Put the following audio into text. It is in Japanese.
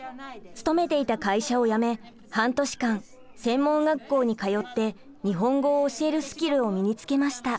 勤めていた会社を辞め半年間専門学校に通って日本語を教えるスキルを身につけました。